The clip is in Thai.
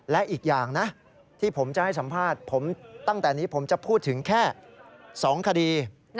และอีกอย่างนะที่ผมจะให้สัมภาษณ์ผมตั้งแต่นี้ผมจะพูดถึงแค่๒คดี